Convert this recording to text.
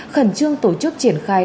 khẩn trương tổ chức triển khai